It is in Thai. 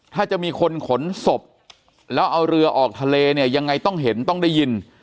ถ้าจะมีคนขนศพแล้วเอาเรือออกทะเลเนี่ยยังไงต้องเห็นต้องได้ยิน